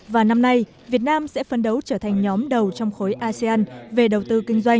và năm nay việt nam sẽ phân đấu trở thành nhóm đầu trong khối asean về đầu tư kinh doanh